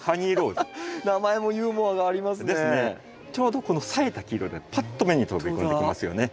ちょうどこの咲いた黄色がパッと目に飛び込んできますよね。